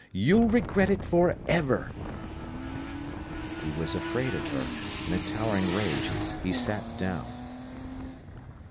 You'll regret it for ever." He was afraid of her. In a towering rage, he sat down.